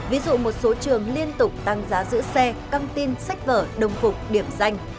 ví dụ một số trường liên tục tăng giá giữ xe căng tin sách vở đồng phục điểm danh